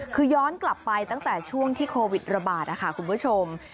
คือย้อนกลับไปตั้งแต่ช่วงที่โควิดระบาดนะคะคุณผู้ชม